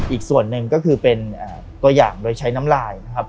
อีกส่วนหนึ่งก็คือเป็นตัวอย่างโดยใช้น้ำลายนะครับ